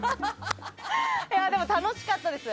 でも、楽しかったです。